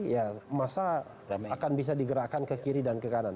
ya masa akan bisa digerakkan ke kiri dan ke kanan